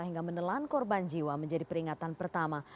hingga menelan korban jiwa menjadi peringatan pertama